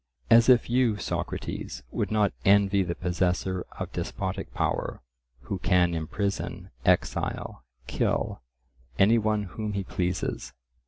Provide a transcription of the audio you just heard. "As if you, Socrates, would not envy the possessor of despotic power, who can imprison, exile, kill any one whom he pleases."